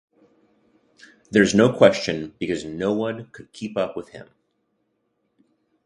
There's no question because no one could keep up with him.